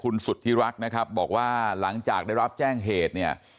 คุณสุธิรักษ์นะครับบอกว่าหลังจากได้รับแจ้งเหตุเนี่ย